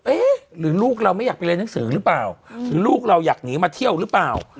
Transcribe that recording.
เอ๊ะหรือลูกเราไม่อยากไปเรียนหนังสือหรือเปล่าหรือลูกเราอยากหนีมาเที่ยวหรือเปล่า